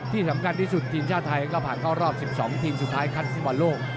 ที่สำคัญที่สุดทีมชาติไทยก็ผ่านเข้ารอบ๑๒ทีมสุดท้ายคัดฟุตบอลโลก